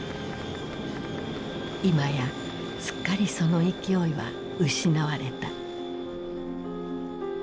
いまやすっかりその勢いは失われた。